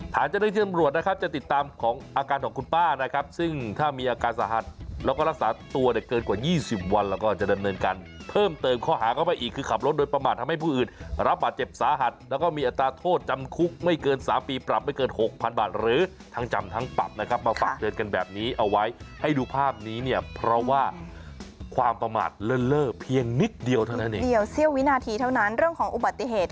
ฐานเฉลยินที่สำรวจนะครับจะติดตามของอาการของขนู๊ป้านะครับซึ่งถ้ามีอาการสาหัสแล้วก็รักษาตัวเด็กเกินอีกกว่า๒๐วันแล้วละก็จะยังเนินกันเพิ่มเติมข้อหาก้อไปอีกคือขับรถโดยประมาททำให้ผู้อื่นรับประเจ็บสาหัสแล้วก็มีอัตราโทษจำคุกไม่เกิน๓ปีปรับไม่เกิน๖๐๐๐บาทหรือทั้งปับ